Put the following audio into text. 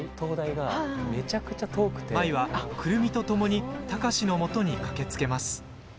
舞は久留美とともに貴司のもとに駆けつけます。